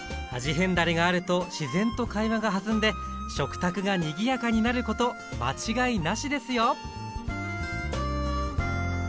変だれがあると自然と会話が弾んで食卓がにぎやかになること間違いなしですよ！